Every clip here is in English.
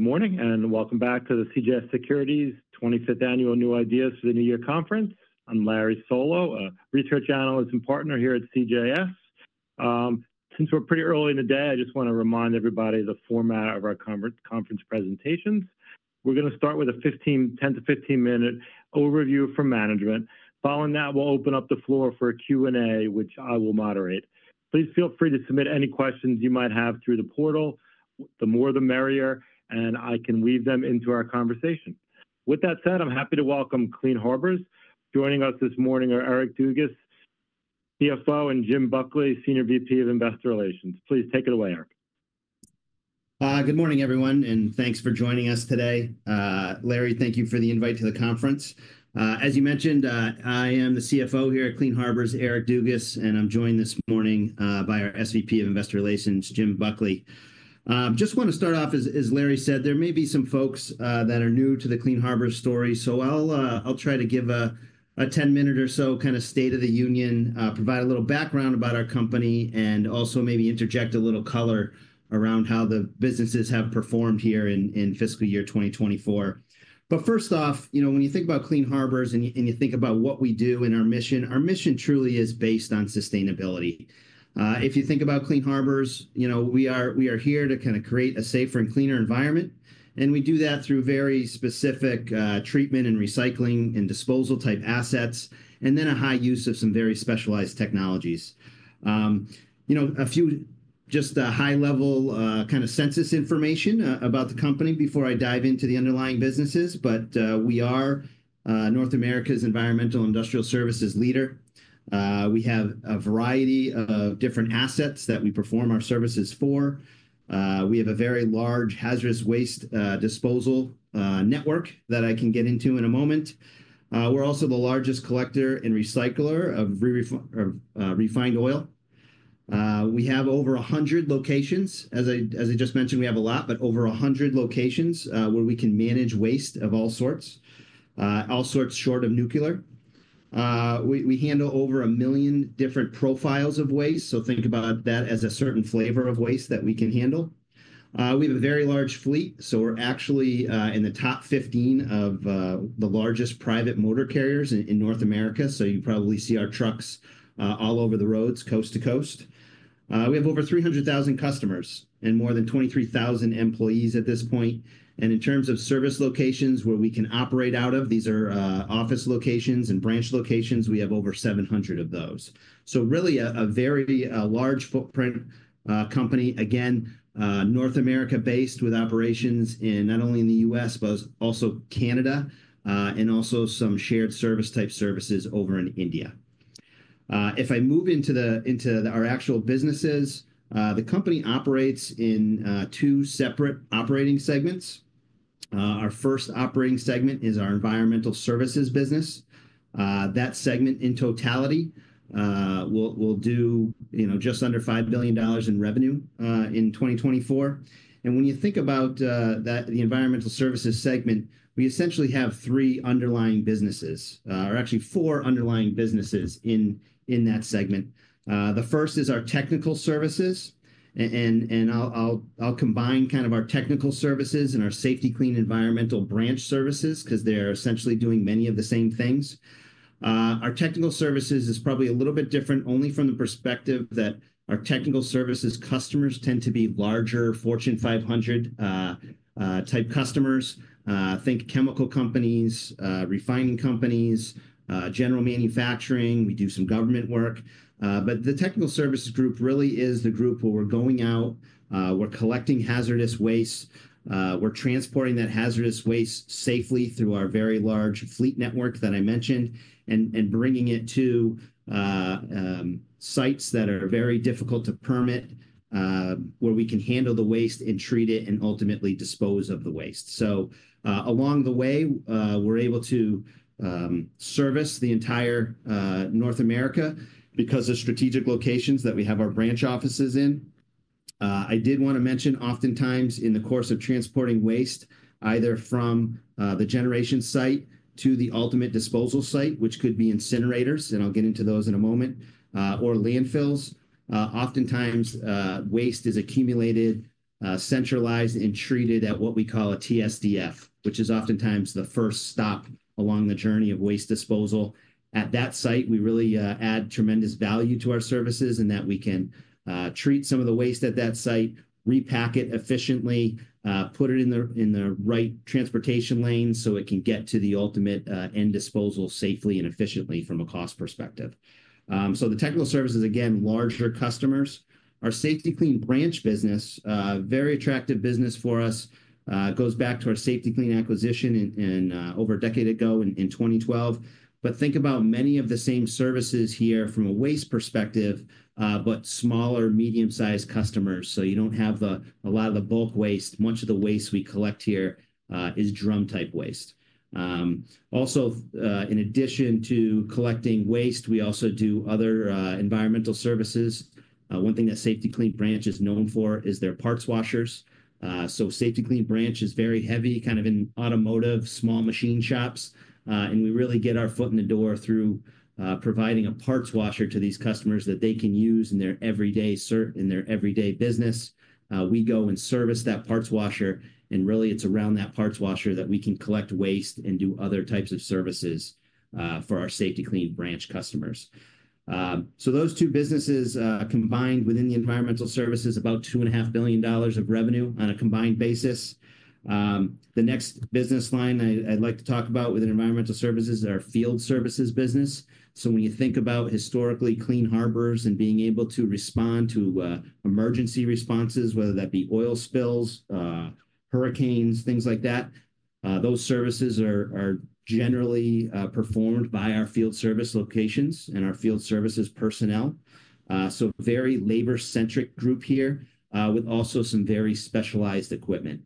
Good morning and welcome back to the CJS Securities 25th Annual New Ideas for the New Year Conference. I'm Larry Solow, a research analyst and partner here at CJS. Since we're pretty early in the day, I just want to remind everybody of the format of our conference presentations. We're going to start with a 10-15-minute overview for management. Following that, we'll open up the floor for a Q&A, which I will moderate. Please feel free to submit any questions you might have through the portal. The more, the merrier, and I can weave them into our conversation. With that said, I'm happy to welcome Clean Harbors. Joining us this morning are Eric Dugas, CFO, and Jim Buckley, Senior VP of Investor Relations. Please take it away, Eric. Good morning, everyone, and thanks for joining us today. Larry, thank you for the invite to the conference. As you mentioned, I am the CFO here at Clean Harbors, Eric Dugas, and I'm joined this morning by our SVP of Investor Relations, Jim Buckley. Just want to start off, as Larry said, there may be some folks that are new to the Clean Harbors story, so I'll try to give a 10-minute or so kind of state of the union, provide a little background about our company, and also maybe interject a little color around how the businesses have performed here in fiscal year 2024, but first off, you know, when you think about Clean Harbors and you think about what we do and our mission, our mission truly is based on sustainability. If you think about Clean Harbors, you know, we are here to kind of create a safer and cleaner environment, and we do that through very specific treatment and recycling and disposal-type assets, and then a high use of some very specialized technologies. You know, a few just high-level kind of sense information about the company before I dive into the underlying businesses, but we are North America's environmental industrial services leader. We have a variety of different assets that we perform our services for. We have a very large hazardous waste disposal network that I can get into in a moment. We're also the largest collector and recycler of refined oil. We have over 100 locations. As I just mentioned, we have a lot, but over 100 locations where we can manage waste of all sorts, all sorts short of nuclear. We handle over a million different profiles of waste, so think about that as a certain flavor of waste that we can handle. We have a very large fleet, so we're actually in the top 15 of the largest private motor carriers in North America, so you probably see our trucks all over the roads, coast to coast. We have over 300,000 customers and more than 23,000 employees at this point, and in terms of service locations where we can operate out of, these are office locations and branch locations, we have over 700 of those, so really a very large footprint company, again, North America-based with operations in not only the U.S., but also Canada and also some shared service-type services over in India. If I move into our actual businesses, the company operates in two separate operating segments. Our first operating segment is our environmental services business. That segment in totality will do just under $5 billion in revenue in 2024. And when you think about the environmental services segment, we essentially have three underlying businesses, or actually four underlying businesses in that segment. The first is our technical services, and I'll combine kind of our technical services and our Safety-Kleen environmental branch services because they're essentially doing many of the same things. Our technical services is probably a little bit different only from the perspective that our technical services customers tend to be larger fortune 500-type customers. Think chemical companies, refining companies, general manufacturing. We do some government work. But the technical services group really is the group where we're going out, we're collecting hazardous waste, we're transporting that hazardous waste safely through our very large fleet network that I mentioned, and bringing it to sites that are very difficult to permit, where we can handle the waste and treat it and ultimately dispose of the waste. So along the way, we're able to service the entire North America because of strategic locations that we have our branch offices in. I did want to mention oftentimes in the course of transporting waste, either from the generation site to the ultimate disposal site, which could be incinerators, and I'll get into those in a moment, or landfills, oftentimes waste is accumulated, centralized, and treated at what we call a TSDF, which is oftentimes the first stop along the journey of waste disposal. At that site, we really add tremendous value to our services in that we can treat some of the waste at that site, repack it efficiently, put it in the right transportation lane so it can get to the ultimate end disposal safely and efficiently from a cost perspective. So the technical services, again, larger customers. Our Safety-Kleen branch business, very attractive business for us, goes back to our Safety-Kleen acquisition over a decade ago in 2012. But think about many of the same services here from a waste perspective, but smaller, medium-sized customers. So you don't have a lot of the bulk waste. Much of the waste we collect here is drum-type waste. Also, in addition to collecting waste, we also do other environmental services. One thing that Safety-Kleen Branch is known for is their parts washers. Safety-Kleen branch is very heavy kind of in automotive, small machine shops, and we really get our foot in the door through providing a parts washer to these customers that they can use in their everyday business. We go and service that parts washer, and really it's around that parts washer that we can collect waste and do other types of services for our Safety-Kleen branch customers. Those two businesses combined within the environmental services, about $2.5 billion of revenue on a combined basis. The next business line I'd like to talk about within environmental services is our field services business. When you think about historically Clean Harbors and being able to respond to emergency responses, whether that be oil spills, hurricanes, things like that, those services are generally performed by our field service locations and our field services personnel. So very labor-centric group here with also some very specialized equipment.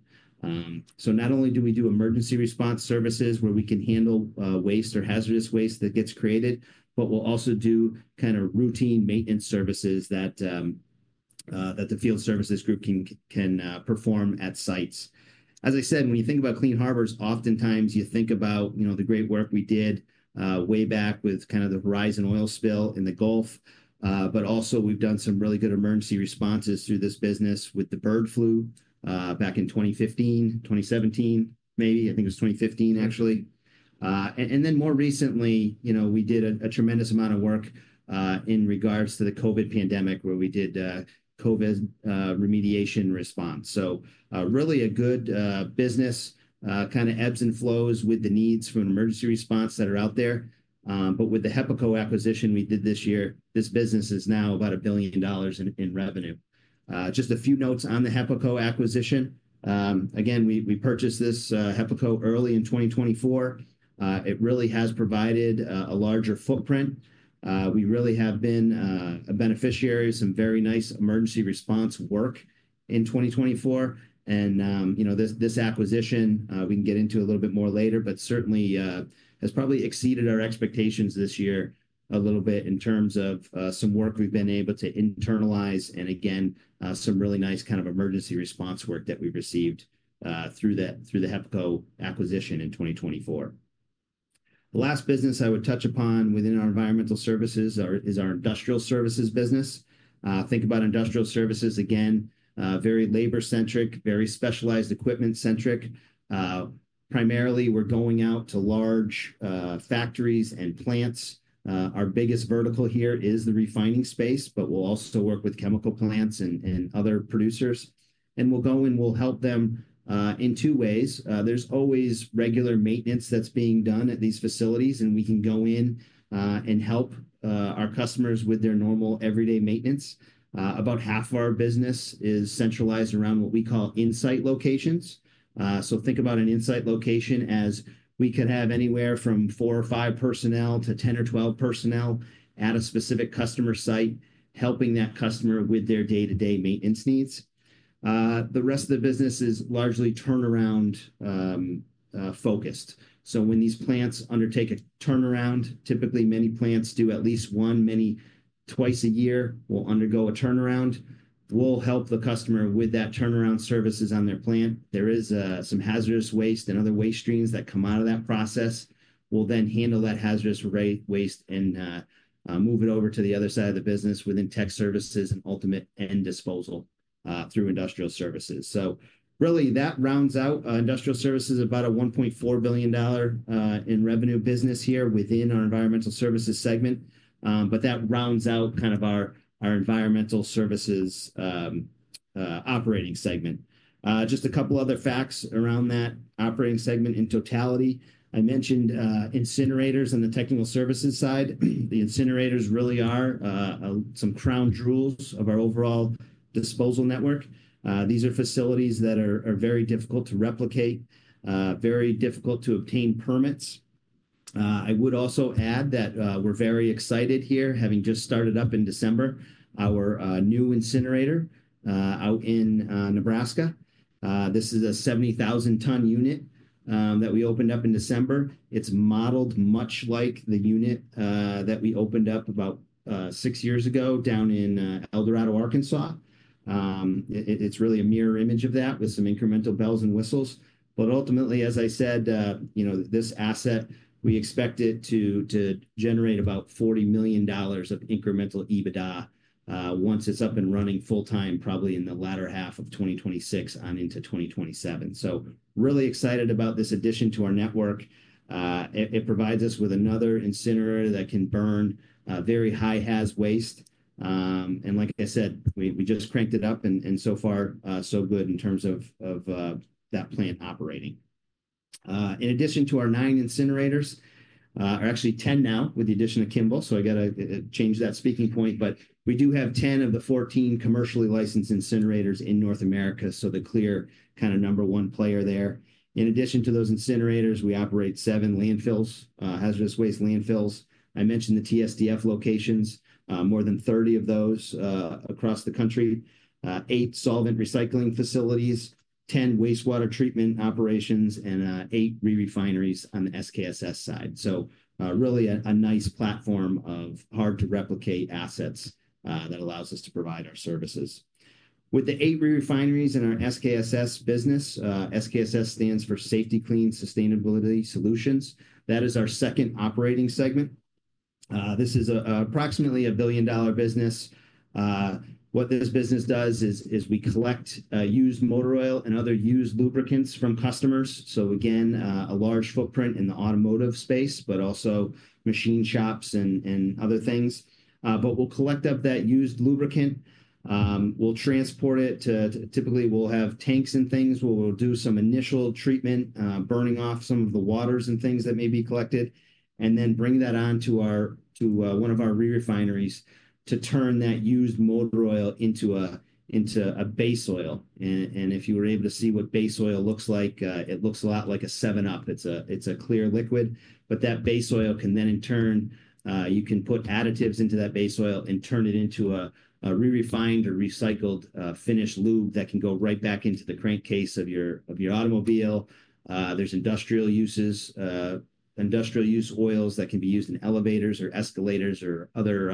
So not only do we do emergency response services where we can handle waste or hazardous waste that gets created, but we'll also do kind of routine maintenance services that the field services group can perform at sites. As I said, when you think about Clean Harbors, oftentimes you think about the great work we did way back with kind of the Horizon oil spill in the Gulf, but also we've done some really good emergency responses through this business with the bird flu back in 2015, 2017, maybe. I think it was 2015, actually. And then more recently, we did a tremendous amount of work in regards to the COVID pandemic where we did COVID remediation response. So really a good business, kind of ebbs and flows with the needs for an emergency response that are out there. But with the HEPACO acquisition we did this year, this business is now about $1 billion in revenue. Just a few notes on the HEPACO acquisition. Again, we purchased this HEPACO early in 2024. It really has provided a larger footprint. We really have been a beneficiary of some very nice emergency response work in 2024. And this acquisition, we can get into a little bit more later, but certainly has probably exceeded our expectations this year a little bit in terms of some work we've been able to internalize and again, some really nice kind of emergency response work that we've received through the HEPACO acquisition in 2024. The last business I would touch upon within our environmental services is our industrial services business. Think about industrial services, again, very labor-centric, very specialized equipment-centric. Primarily, we're going out to large factories and plants. Our biggest vertical here is the refining space, but we'll also work with chemical plants and other producers, and we'll go and we'll help them in two ways. There's always regular maintenance that's being done at these facilities, and we can go in and help our customers with their normal everyday maintenance. About half of our business is centralized around what we call InSite locations. So think about an insight location as we could have anywhere from four or five personnel to 10 or 12 personnel at a specific customer site helping that customer with their day-to-day maintenance needs, so when these plants undertake a turnaround, typically many plants do at least one, many twice a year will undergo a turnaround. The rest of the business is largely turnaround focused. We'll help the customer with that turnaround services on their plant. There is some hazardous waste and other waste streams that come out of that process. We'll then handle that hazardous waste and move it over to the other side of the business within tech services and ultimate end disposal through industrial services. So really that rounds out industrial services about a $1.4 billion in revenue business here within our environmental services segment, but that rounds out kind of our environmental services operating segment. Just a couple other facts around that operating segment in totality. I mentioned incinerators on the technical services side. The incinerators really are some crown jewels of our overall disposal network. These are facilities that are very difficult to replicate, very difficult to obtain permits. I would also add that we're very excited here, having just started up in December, our new incinerator out in Nebraska. This is a 70,000-ton unit that we opened up in December. It's modeled much like the unit that we opened up about six years ago down in El Dorado, Arkansas. It's really a mirror image of that with some incremental bells and whistles. But ultimately, as I said, this asset, we expect it to generate about $40 million of incremental EBITDA once it's up and running full-time, probably in the latter half of 2026 on into 2027. So really excited about this addition to our network. It provides us with another incinerator that can burn very high hazard waste. And like I said, we just cranked it up and so far so good in terms of that plant operating. In addition to our nine incinerators, or actually 10 now with the addition of Kimball, so I got to change that speaking point, but we do have 10 of the 14 commercially licensed incinerators in North America, so the clear kind of number one player there. In addition to those incinerators, we operate seven landfills, hazardous waste landfills. I mentioned the TSDF locations, more than 30 of those across the country, eight solvent recycling facilities, 10 wastewater treatment operations, and eight re-refineries on the SKSS side. So really a nice platform of hard-to-replicate assets that allows us to provide our services. With the eight re-refineries and our SKSS business, SKSS stands for Safety-Kleen Sustainability Solutions. That is our second operating segment. This is approximately a $1 billion business. What this business does is we collect used motor oil and other used lubricants from customers. So again, a large footprint in the automotive space, but also machine shops and other things. But we'll collect up that used lubricant. We'll transport it to typically we'll have tanks and things. We'll do some initial treatment, burning off some of the waters and things that may be collected, and then bring that on to one of our re-refineries to turn that used motor oil into a base oil. And if you were able to see what base oil looks like, it looks a lot like a 7-Up. It's a clear liquid, but that base oil can then in turn, you can put additives into that base oil and turn it into a re-refined or recycled finished lube that can go right back into the crankcase of your automobile. There's industrial uses, industrial use oils that can be used in elevators or escalators or other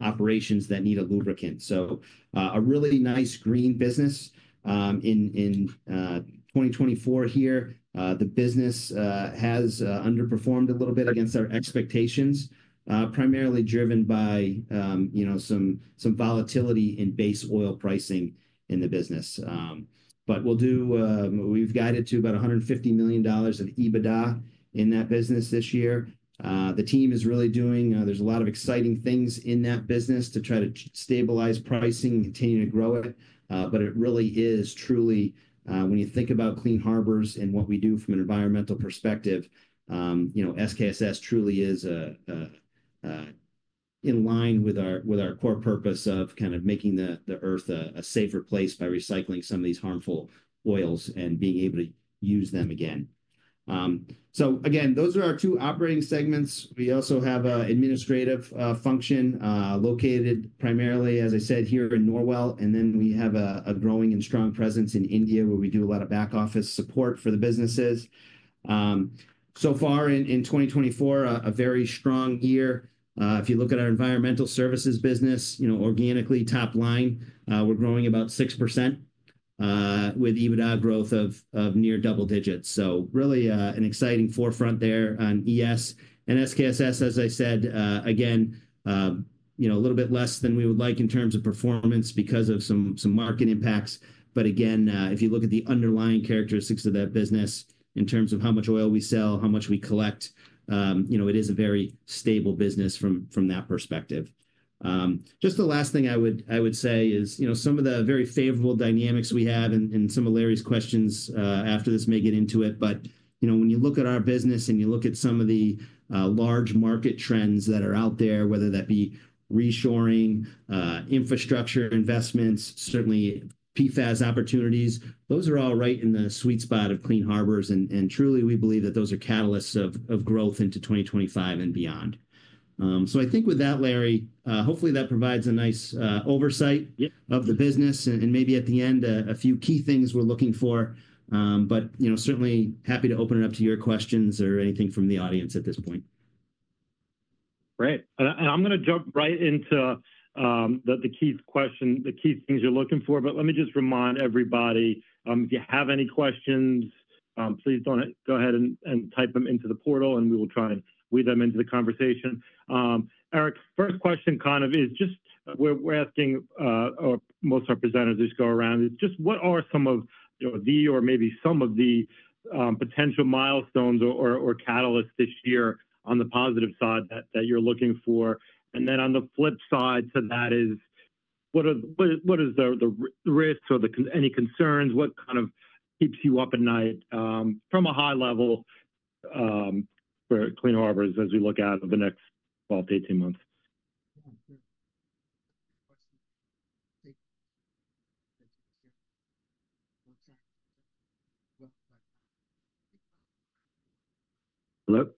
operations that need a lubricant. So a really nice green business. In 2024 here, the business has underperformed a little bit against our expectations, primarily driven by some volatility in base oil pricing in the business. But we've guided to about $150 million of EBITDA in that business this year. The team is really doing. There's a lot of exciting things in that business to try to stabilize pricing and continue to grow it. But it really is truly, when you think about Clean Harbors and what we do from an environmental perspective, SKSS truly is in line with our core purpose of kind of making the earth a safer place by recycling some of these harmful oils and being able to use them again. So again, those are our two operating segments. We also have an administrative function located primarily, as I said, here in Norwell, and then we have a growing and strong presence in India where we do a lot of back office support for the businesses. So far in 2024, a very strong year. If you look at our environmental services business, organically top line, we're growing about 6% with EBITDA growth of near double digits. So really an exciting forefront there on ES. And SKSS, as I said, again, a little bit less than we would like in terms of performance because of some market impacts. But again, if you look at the underlying characteristics of that business in terms of how much oil we sell, how much we collect, it is a very stable business from that perspective. Just the last thing I would say is some of the very favorable dynamics we have and some of Larry's questions after this may get into it, but when you look at our business and you look at some of the large market trends that are out there, whether that be reshoring, infrastructure investments, certainly PFAS opportunities, those are all right in the sweet spot of Clean Harbors. And truly, we believe that those are catalysts of growth into 2025 and beyond. So I think with that, Larry, hopefully that provides a nice oversight of the business and maybe at the end, a few key things we're looking for, but certainly happy to open it up to your questions or anything from the audience at this point. Great. I'm going to jump right into the key question, the key things you're looking for, but let me just remind everybody, if you have any questions, please don't go ahead and type them into the portal and we will try and weave them into the conversation. Eric, first question kind of is just we're asking most of our presenters just go around is just what are some of the or maybe some of the potential milestones or catalysts this year on the positive side that you're looking for? Then on the flip side to that is what is the risk or any concerns? What kind of keeps you up at night from a high level for Clean Harbors as we look out of the next 12-18 months? Hello?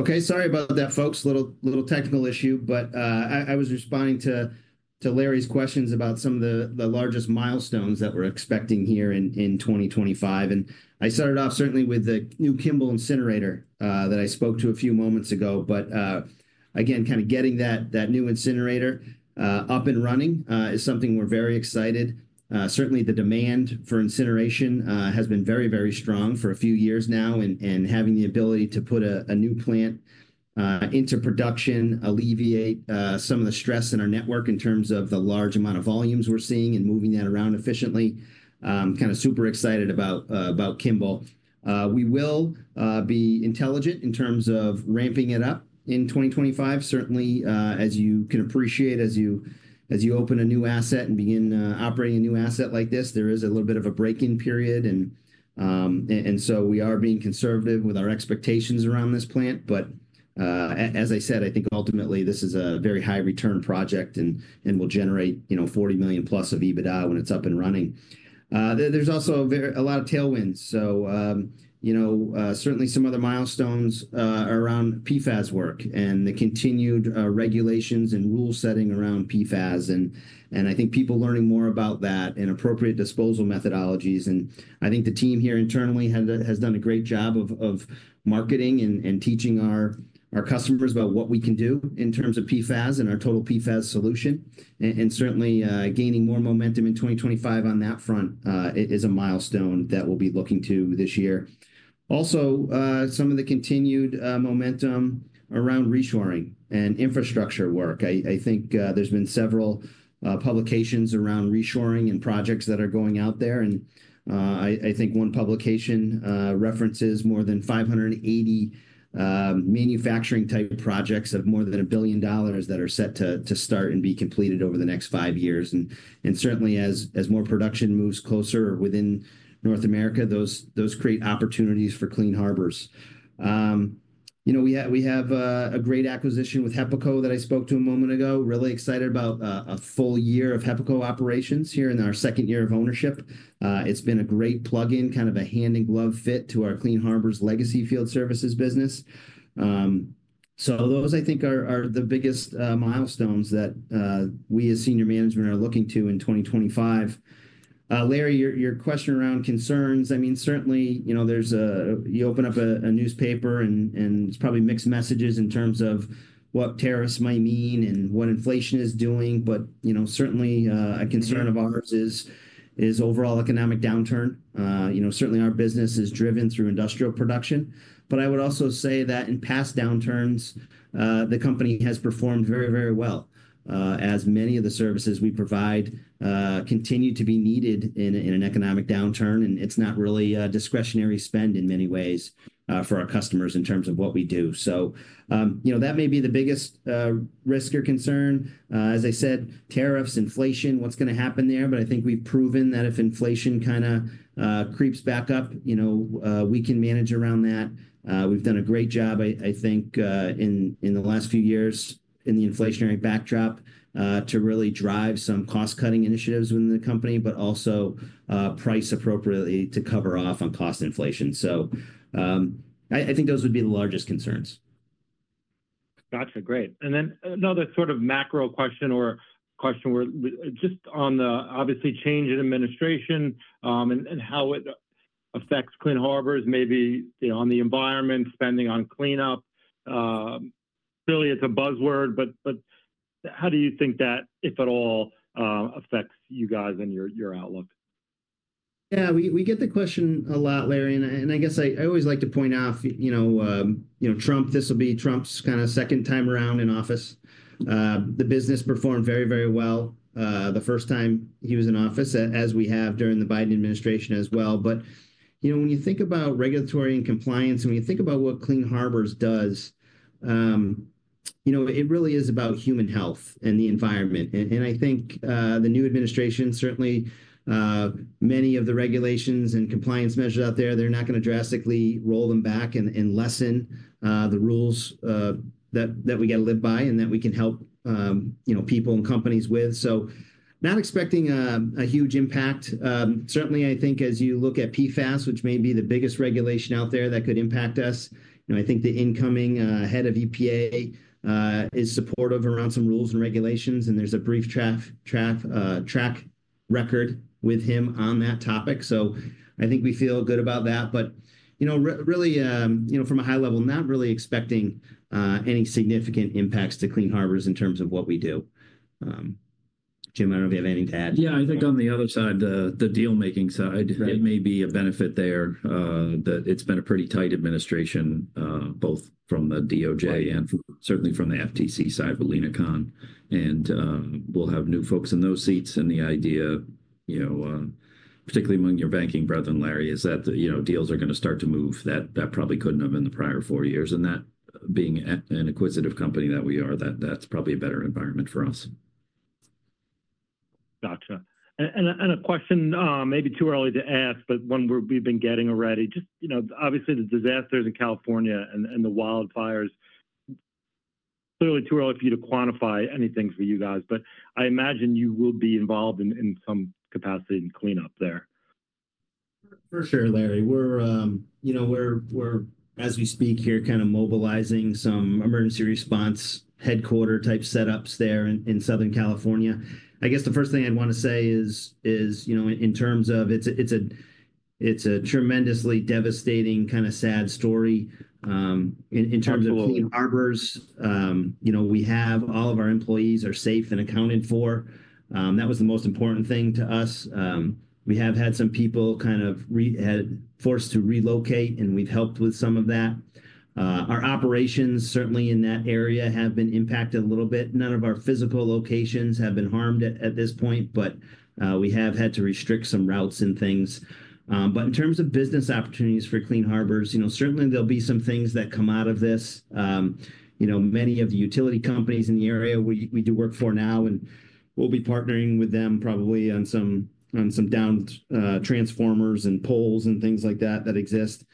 Okay, sorry about that, folks. Little technical issue, but I was responding to Larry's questions about some of the largest milestones that we're expecting here in 2025, and I started off certainly with the new Kimball incinerator that I spoke to a few moments ago, but again, kind of getting that new incinerator up and running is something we're very excited. Certainly, the demand for incineration has been very, very strong for a few years now, and having the ability to put a new plant into production, alleviate some of the stress in our network in terms of the large amount of volumes we're seeing and moving that around efficiently. Kind of super excited about Kimball. We will be intelligent in terms of ramping it up in 2025. Certainly, as you can appreciate, as you open a new asset and begin operating a new asset like this, there is a little bit of a break-in period. And so we are being conservative with our expectations around this plant. But as I said, I think ultimately this is a very high-return project and will generate $40 million plus of EBITDA when it's up and running. There's also a lot of tailwinds. So certainly some other milestones are around PFAS work and the continued regulations and rule setting around PFAS. And I think people learning more about that and appropriate disposal methodologies. And I think the team here internally has done a great job of marketing and teaching our customers about what we can do in terms of PFAS and our Total PFAS Solution. And certainly gaining more momentum in 2025 on that front is a milestone that we'll be looking to this year. Also, some of the continued momentum around reshoring and infrastructure work. I think there's been several publications around reshoring and projects that are going out there. And I think one publication references more than 580 manufacturing-type projects of more than $1 billion that are set to start and be completed over the next five years. And certainly, as more production moves closer within North America, those create opportunities for Clean Harbors. We have a great acquisition with HEPACO that I spoke to a moment ago. Really excited about a full year of HEPACO operations here in our second year of ownership. It's been a great plug-in, kind of a hand-in-glove fit to our Clean Harbors legacy field services business. So those, I think, are the biggest milestones that we as senior management are looking to in 2025. Larry, your question around concerns, I mean, certainly you open up a newspaper and it's probably mixed messages in terms of what tariffs might mean and what inflation is doing. But certainly, a concern of ours is overall economic downturn. Certainly, our business is driven through industrial production. But I would also say that in past downturns, the company has performed very, very well as many of the services we provide continue to be needed in an economic downturn. And it's not really a discretionary spend in many ways for our customers in terms of what we do. So that may be the biggest risk or concern. As I said, tariffs, inflation, what's going to happen there. But I think we've proven that if inflation kind of creeps back up, we can manage around that. We've done a great job, I think, in the last few years in the inflationary backdrop to really drive some cost-cutting initiatives within the company, but also price appropriately to cover off on cost inflation. So I think those would be the largest concerns., Gotcha. Great. And then another sort of macro question or question just on the obvious change in administration and how it affects Clean Harbors, maybe on the environment, spending on cleanup. Clearly, it's a buzzword, but how do you think that, if at all, affects you guys and your outlook? Yeah, we get the question a lot, Larry. And I guess I always like to point out, Trump, this will be Trump's kind of second time around in office. The business performed very, very well the first time he was in office, as we have during the Biden administration as well. But when you think about regulatory and compliance, when you think about what Clean Harbors does, it really is about human health and the environment. And I think the new administration, certainly many of the regulations and compliance measures out there, they're not going to drastically roll them back and lessen the rules that we got to live by and that we can help people and companies with. So not expecting a huge impact. Certainly, I think as you look at PFAS, which may be the biggest regulation out there that could impact us, I think the incoming head of EPA is supportive around some rules and regulations, and there's a brief track record with him on that topic. So I think we feel good about that. But really, from a high level, not really expecting any significant impacts to Clean Harbors in terms of what we do. Jim, I don't know if you have anything to add. Yeah, I think on the other side, the deal-making side, it may be a benefit there that it's been a pretty tight administration, both from the DOJ and certainly from the FTC side with Lina Khan. And we'll have new folks in those seats. And the idea, particularly among your banking brethren, Larry, is that deals are going to start to move that probably couldn't have in the prior four years. And being an acquisitive company that we are, that's probably a better environment for us. Gotcha. And a question maybe too early to ask, but one we've been getting already. Just obviously the disasters in California and the wildfires. Clearly too early for you to quantify anything for you guys, but I imagine you will be involved in some capacity in cleanup there. For sure, Larry. We're, as we speak here, kind of mobilizing some emergency response headquarter-type setups there in Southern California. I guess the first thing I'd want to say is, in terms of it's a tremendously devastating kind of sad story. In terms of Clean Harbors, we have all of our employees are safe and accounted for. That was the most important thing to us. We have had some people kind of forced to relocate, and we've helped with some of that. Our operations certainly in that area have been impacted a little bit. None of our physical locations have been harmed at this point, but we have had to restrict some routes and things. But in terms of business opportunities for Clean Harbors, certainly there'll be some things that come out of this. Many of the utility companies in the area we do work for now, and we'll be partnering with them probably on some down transformers and poles and things like that that exist.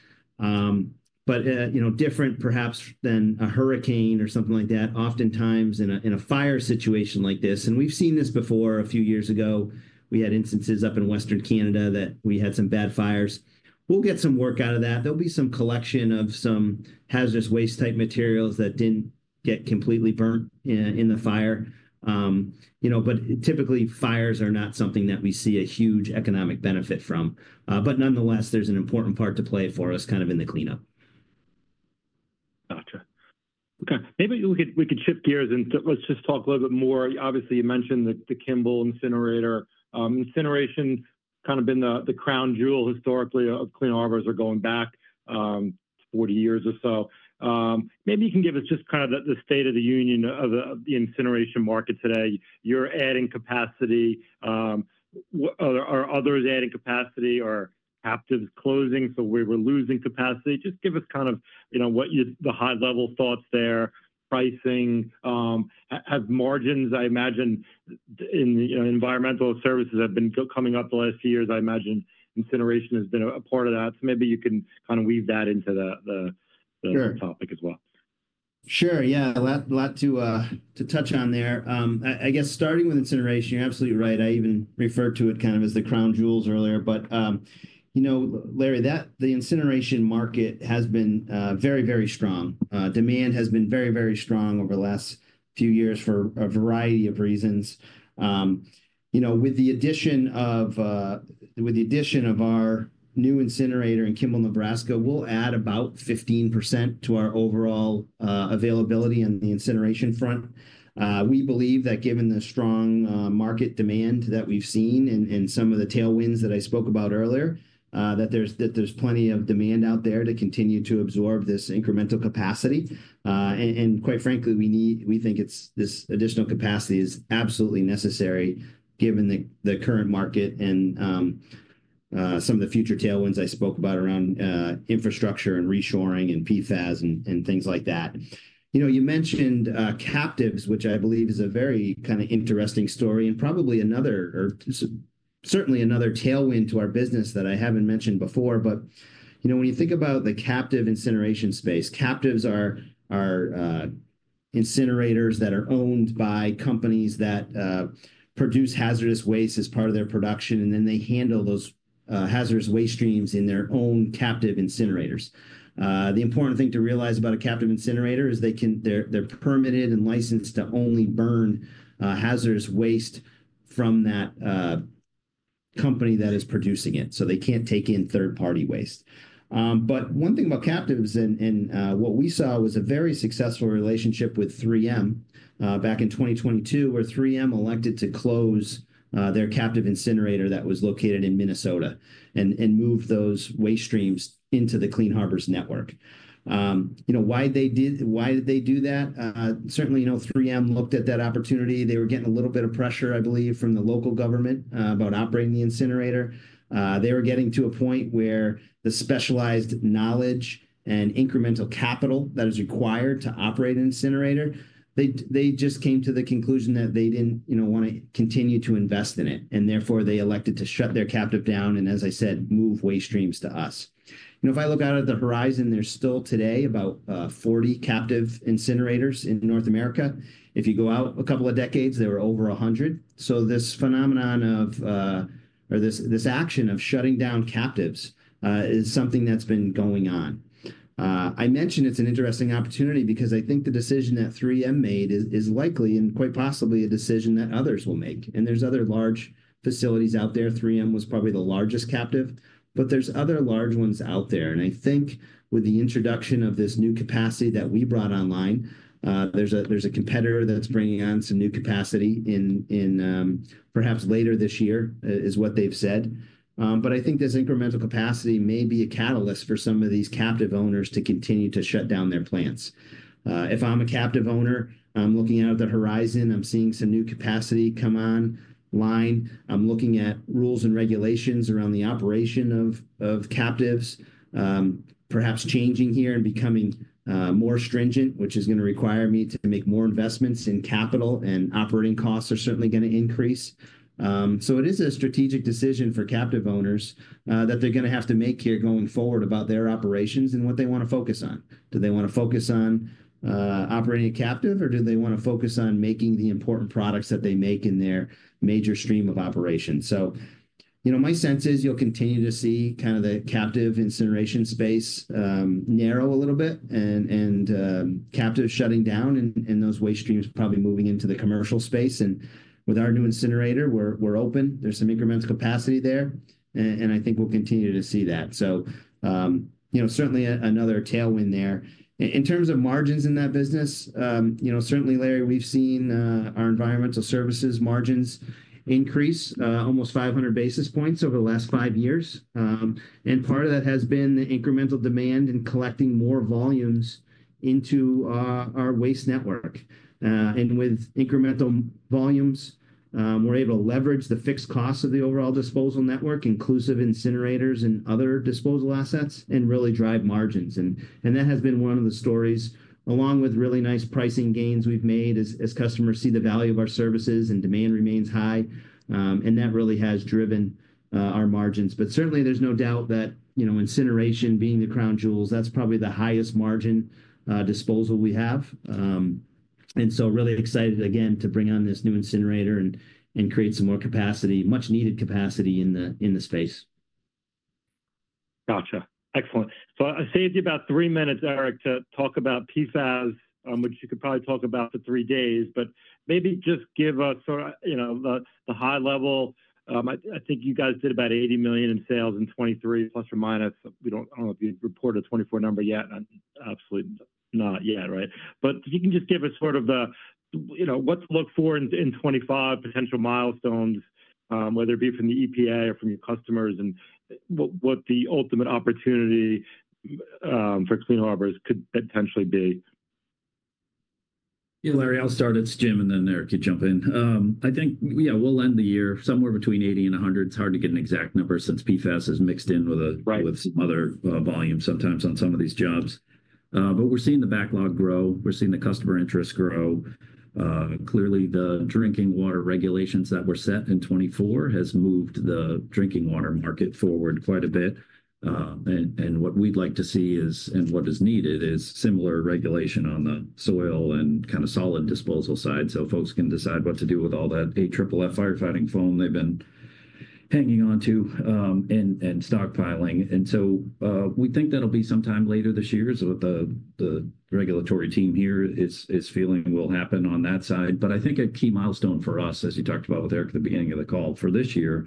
But different, perhaps, than a hurricane or something like that, oftentimes in a fire situation like this. And we've seen this before. A few years ago, we had instances up in Western Canada that we had some bad fires. We'll get some work out of that. There'll be some collection of some hazardous waste-type materials that didn't get completely burnt in the fire. But typically, fires are not something that we see a huge economic benefit from. But nonetheless, there's an important part to play for us kind of in the cleanup. Gotcha. Okay. Maybe we can shift gears and let's just talk a little bit more. Obviously, you mentioned the Kimball incinerator. Incineration has kind of been the crown jewel historically of Clean Harbors are going back 40 years or so. Maybe you can give us just kind of the state of the union of the incineration market today. You're adding capacity. Are others adding capacity or captives closing? So we were losing capacity. Just give us kind of what the high-level thoughts there, pricing. Have margins, I imagine, in environmental services have been coming up the last few years. I imagine incineration has been a part of that. So maybe you can kind of weave that into the topic as well. Sure. Yeah. A lot to touch on there. I guess starting with incineration, you're absolutely right. I even referred to it kind of as the crown jewels earlier. But Larry, the incineration market has been very, very strong. Demand has been very, very strong over the last few years for a variety of reasons. With the addition of our new incinerator in Kimball, Nebraska, we'll add about 15% to our overall availability on the incineration front. We believe that given the strong market demand that we've seen and some of the tailwinds that I spoke about earlier, that there's plenty of demand out there to continue to absorb this incremental capacity. And quite frankly, we think this additional capacity is absolutely necessary given the current market and some of the future tailwinds I spoke about around infrastructure and reshoring and PFAS and things like that. You mentioned captives, which I believe is a very kind of interesting story and probably another or certainly another tailwind to our business that I haven't mentioned before. But when you think about the captive incineration space, captives are incinerators that are owned by companies that produce hazardous waste as part of their production, and then they handle those hazardous waste streams in their own captive incinerators. The important thing to realize about a captive incinerator is they're permitted and licensed to only burn hazardous waste from that company that is producing it. So they can't take in third-party waste. But one thing about captives and what we saw was a very successful relationship with 3M back in 2022, where 3M elected to close their captive incinerator that was located in Minnesota and moved those waste streams into the Clean Harbors network. Why did they do that? Certainly, 3M looked at that opportunity. They were getting a little bit of pressure, I believe, from the local government about operating the incinerator. They were getting to a point where the specialized knowledge and incremental capital that is required to operate an incinerator. They just came to the conclusion that they didn't want to continue to invest in it. And therefore, they elected to shut their captive down and, as I said, move waste streams to us. If I look out at the horizon, there's still today about 40 captive incinerators in North America. If you go out a couple of decades, there were over 100, so this phenomenon of or this action of shutting down captives is something that's been going on. I mentioned it's an interesting opportunity because I think the decision that 3M made is likely and quite possibly a decision that others will make, and there's other large facilities out there. 3M was probably the largest captive, but there's other large ones out there. And I think with the introduction of this new capacity that we brought online, there's a competitor that's bringing on some new capacity perhaps later this year, is what they've said. But I think this incremental capacity may be a catalyst for some of these captive owners to continue to shut down their plants. If I'm a captive owner, I'm looking out at the horizon. I'm seeing some new capacity come online. I'm looking at rules and regulations around the operation of captives, perhaps changing here and becoming more stringent, which is going to require me to make more investments in capital, and operating costs are certainly going to increase. So it is a strategic decision for captive owners that they're going to have to make here going forward about their operations and what they want to focus on. Do they want to focus on operating a captive, or do they want to focus on making the important products that they make in their major stream of operation? So my sense is you'll continue to see kind of the captive incineration space narrow a little bit and captive shutting down and those waste streams probably moving into the commercial space. And with our new incinerator, we're open. There's some incremental capacity there, and I think we'll continue to see that. So certainly another tailwind there. In terms of margins in that business, certainly, Larry, we've seen our environmental services margins increase almost 500 basis points over the last five years. And part of that has been the incremental demand and collecting more volumes into our waste network. With incremental volumes, we're able to leverage the fixed costs of the overall disposal network, inclusive incinerators and other disposal assets, and really drive margins. That has been one of the stories, along with really nice pricing gains we've made as customers see the value of our services and demand remains high. That really has driven our margins. Certainly, there's no doubt that incineration being the crown jewels, that's probably the highest margin disposal we have. Really excited, again, to bring on this new incinerator and create some more capacity, much-needed capacity in the space. Gotcha. Excellent. I saved you about three minutes, Eric, to talk about PFAS, which you could probably talk about for three days, but maybe just give us the high level. I think you guys did about $80 million in sales in 2023, plus or minus. I don't know if you've reported a 2024 number yet. Absolutely not yet, right? But if you can just give us sort of what to look for in 2025, potential milestones, whether it be from the EPA or from your customers, and what the ultimate opportunity for Clean Harbors could potentially be. Yeah, Larry, I'll start. It's Jim and then Eric could jump in. I think, yeah, we'll end the year somewhere between 80 and 100. It's hard to get an exact number since PFAS is mixed in with some other volume sometimes on some of these jobs. But we're seeing the backlog grow. We're seeing the customer interest grow. Clearly, the drinking water regulations that were set in 2024 have moved the drinking water market forward quite a bit. And what we'd like to see is, and what is needed is similar regulation on the soil and kind of solid disposal side so folks can decide what to do with all that AFFF firefighting foam they've been hanging on to and stockpiling. And so we think that'll be sometime later this year as the regulatory team here is feeling will happen on that side. But I think a key milestone for us, as you talked about with Eric at the beginning of the call for this year,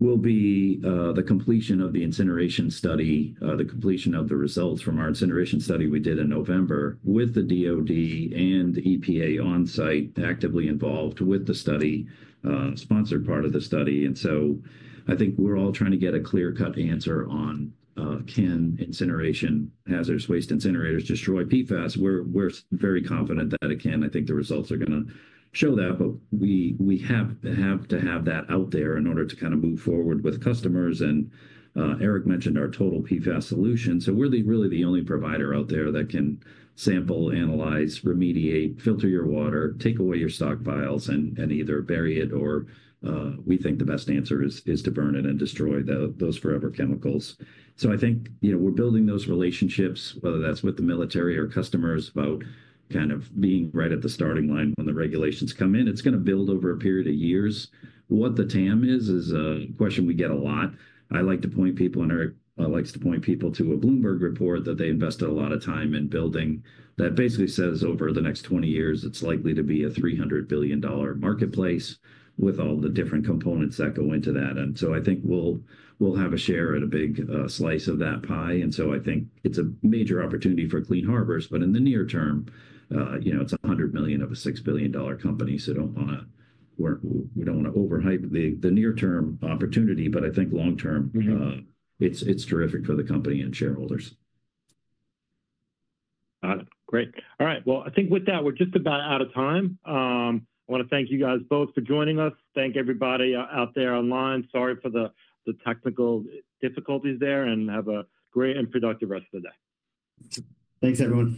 will be the completion of the incineration study, the completion of the results from our incineration study we did in November with the DOD and EPA on-site actively involved with the study, sponsored part of the study. And so I think we're all trying to get a clear-cut answer on can incineration hazardous waste incinerators destroy PFAS. We're very confident that it can. I think the results are going to show that, but we have to have that out there in order to kind of move forward with customers. And Eric mentioned our Total PFAS Solution. So we're really the only provider out there that can sample, analyze, remediate, filter your water, take away your stockpiles, and either bury it, or we think the best answer is to burn it and destroy those forever chemicals. So I think we're building those relationships, whether that's with the military or customers, about kind of being right at the starting line when the regulations come in. It's going to build over a period of years. What the TAM is, is a question we get a lot. I like to point people, and Eric likes to point people to a Bloomberg report that they invested a lot of time in building that basically says over the next 20 years, it's likely to be a $300 billion marketplace with all the different components that go into that. And so I think we'll have a share at a big slice of that pie. And so I think it's a major opportunity for Clean Harbors. But in the near term, it's $100 million of a $6 billion company. So we don't want to overhype the near-term opportunity, but I think long-term, it's terrific for the company and shareholders. Great. All right. Well, I think with that, we're just about out of time. I want to thank you guys both for joining us. Thank everybody out there online. Sorry for the technical difficulties there and have a great and productive rest of the day. Thanks, everyone.